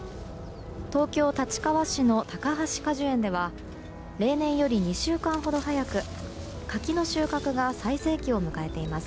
東京・立川市の高橋果樹園では例年より２週間ほど早く柿の収穫が最盛期を迎えています。